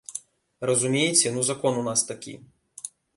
Разумееце, ну закон у нас такі.